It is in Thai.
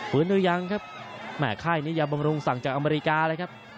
หรือยังครับแม่ค่ายนิยาบำรุงสั่งจากอเมริกาเลยครับ